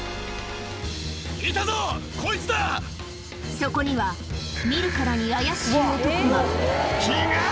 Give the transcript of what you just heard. そこには見るからに怪しい男が違う！